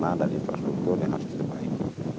salah pesanan dan infrastruktur yang harus kita baik